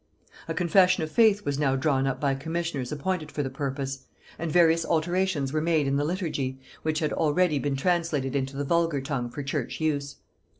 A confession of faith was now drawn up by commissioners appointed for the purpose, and various alterations were made in the Liturgy, which had already been translated into the vulgar tongue for church use.